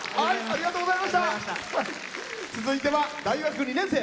続いては大学２年生。